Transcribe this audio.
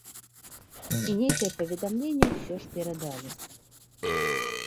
І нейкае паведамленне ўсё ж перадалі.